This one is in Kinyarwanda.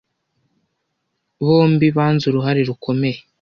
bombi banze uruhare rukomeye